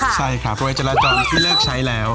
ใช่ครับโดยจราจรที่เลิกใช้แล้ว